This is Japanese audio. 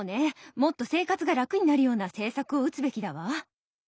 もっと生活が楽になるような政策を打つべきだわ。